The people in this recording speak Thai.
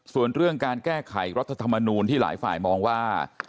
ส่วนเรื่องการแก้ไขรัฐธรรมนูลที่หลายฝ่ายมองว่า